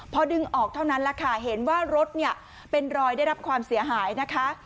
พอดึงออกเท่านั้นแหละค่ะเห็นว่ารถเนี่ยเป็นรอยได้รับความเสียหายนะคะ